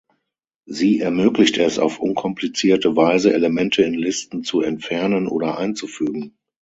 Sie ermöglicht es auf unkomplizierte Weise, Elemente in Listen zu entfernen oder einzufügen.